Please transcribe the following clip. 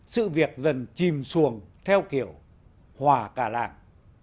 sự việc dần chìm xuồng theo kiểu hòa cả làng